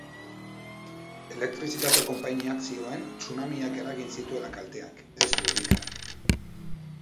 Elektrizitate konpainiak zioen tsunamiak eragin zituela kalteak, ez lurrikarak.